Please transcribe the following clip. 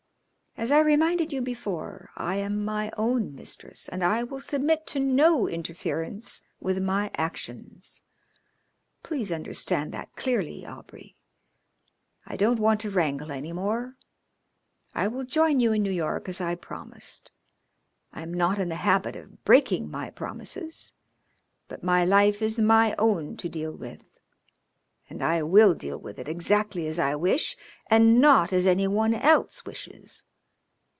As I reminded you before, I am my own mistress, and I will submit to no interference with my actions. Please understand that clearly, Aubrey. I don't want to wrangle any more. I will join you in New York as I promised. I am not in the habit of breaking my promises, but my life is my own to deal with, and I will deal with it exactly as I wish and not as any one else wishes.